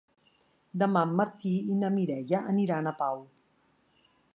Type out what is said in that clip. Demà en Martí i na Mireia aniran a Pau.